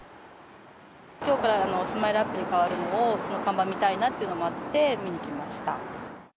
きょうからスマイルアップに変わるのを、その看板見たいなというのもあって、見に来ました。